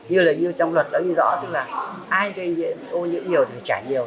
như là như trong luật nó như rõ tức là ai gây nhiễm hô nhiễm nhiều thì trả nhiều